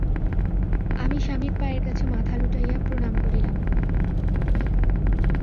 আমি স্বামীর পায়ের কাছে মাথা লুটাইয়া প্রণাম করিলাম।